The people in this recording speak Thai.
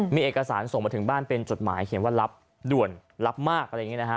มีเอกสารส่งมาถึงบ้านเป็นจดหมายเขียนว่ารับด่วนรับมากอะไรอย่างนี้นะฮะ